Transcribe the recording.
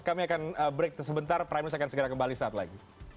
kami akan break sebentar prime news akan segera kembali saat lagi